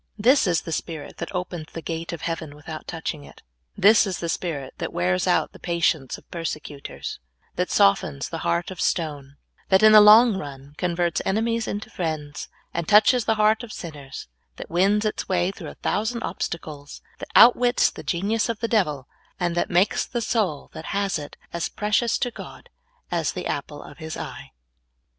This is the spirit that opens the gate of heaven without touching it. This is the spirit that wears out the patience of persecutors, that softens the heart of stone, that in the long run converts enemies into friends, that touches the heart of sinners, that wins its wa}^ through a thousand obstacles, that outwits the genius of the devil, and that makes the soul that has it as precious to God as the apple of His eye.